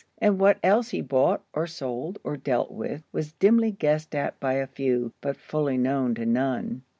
And what else he bought or sold, or dealt with, was dimly guessed at by a few, but fully known to none.